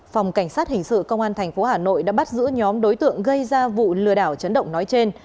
phòng cảnh sát hình sự công an tp hà nội đã bắt giữ nhóm đối tượng gây ra vụ lừa đảo chấn động nói trên